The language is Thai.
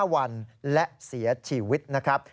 ๕วันและเสียชีวิตนะครับ